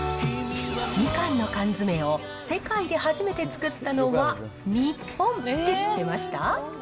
みかんの缶詰を世界で初めて作ったのは日本って知ってました？